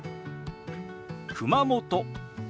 「熊本」。